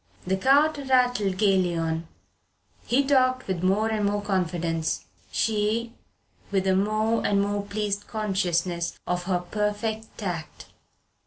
The cart rattled gaily on he talked with more and more confidence; she with a more and more pleased consciousness of her perfect tact.